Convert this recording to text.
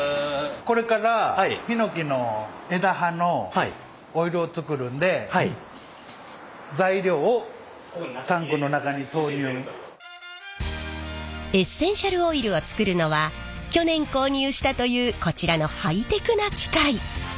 これからヒノキの枝葉のオイルを作るんでエッセンシャルオイルを作るのは去年購入したというこちらのハイテクな機械。